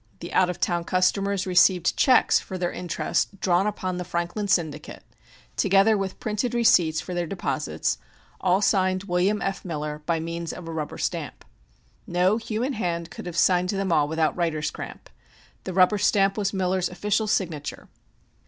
The out of town customers received checks for their interest drawn upon "The Franklin Syndicate," together with printed receipts for their deposits, all signed "William F. Miller," by means of a rubber stamp. No human hand could have signed them all without writer's cramp. The rubber stamp was Miller's official signature.